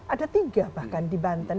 ada tiga bahkan di banten